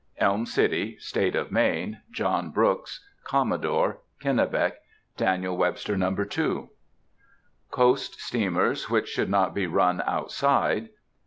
_ Elm City, State of Maine, John Brooks, Commodore, Kennebec, Daniel Webster No. 2. _Coast Steamers which should not be run outside.